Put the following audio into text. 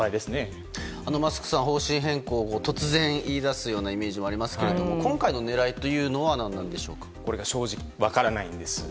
マスクさんは方針変更を突然言い出すようなイメージがありますが今回の狙いは正直分からないんです。